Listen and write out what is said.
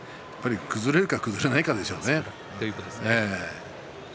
崩れるか崩れないかですね。